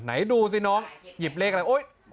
ไหนดูสิน้องหยิบเลขอะไรโอ๊ย